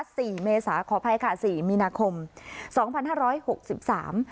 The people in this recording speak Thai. เมษาขออภัยค่ะสี่มีนาคมสองพันห้าร้อยหกสิบสาม